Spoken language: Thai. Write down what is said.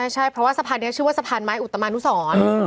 ใช่เพราะว่าสะพานนี้ชื่อว่าสะพานไม้อุตมานุสร